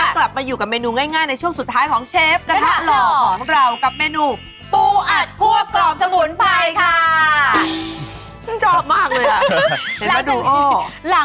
กลับมาอยู่กับเมนูง่ายในช่วงสุดท้ายของเชฟกระทะหล่อของเรากับเมนูปูอัดคั่วกรอบสมุนไพรค่ะ